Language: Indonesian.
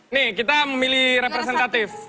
nih kita memilih representatif